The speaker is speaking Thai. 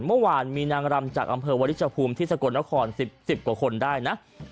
เมื่อวานมีนางรำจากอำเภอวริชภูมิที่สกลนคร๑๐กว่าคนได้นะ